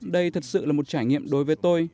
đây thật sự là một trải nghiệm đối với tôi